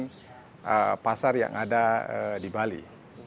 sekitar tiga puluh persen dari keseluruhan pasar yang ada di bali